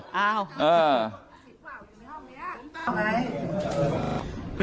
เห็นเปล่าอยู่ในห้องเรือ